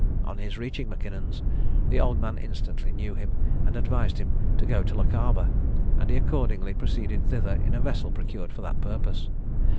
On his reaching M'Kinnon's, the old man instantly knew him, and advised him to go to Lochaber; and he accordingly proceeded thither in a vessel procured for that purpose.